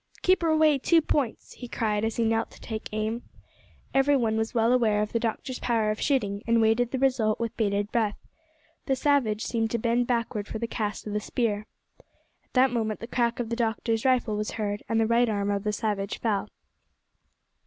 "Keep her away two points!" he cried, as he knelt to take aim. Every one was well aware of the doctor's power of shooting, and waited the result with bated breath. The savage seemed to bend backward for the cast of the spear. At that moment the crack of the doctor's rifle was heard, and the right arm of the savage fell.